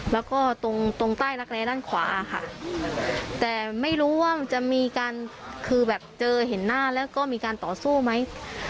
แล้วก็ตรงตรงใต้รักแร้ด้านขวาค่ะแต่ไม่รู้ว่ามันจะมีการคือแบบเจอเห็นหน้าแล้วก็มีการต่อสู้ไหม